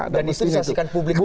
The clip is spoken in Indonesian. dan itu disaksikan publik luas